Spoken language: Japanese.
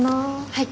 はい。